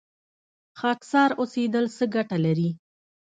خاکسار اوسیدل څه ګټه لري؟